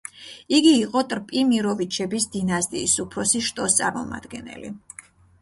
იგი იყო ტრპიმიროვიჩების დინასტიის უფროსი შტოს წარმომადგენელი.